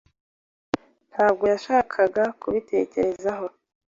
Ntabwo yashakaga kubitekerezaho.